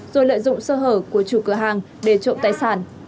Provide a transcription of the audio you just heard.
rồi lợi dụng sơ hở của chủ cửa hàng để trộm tài sản